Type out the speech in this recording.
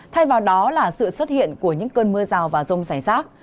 thay vào đó là sự xuất hiện của những cơn mưa rào và rông rải rác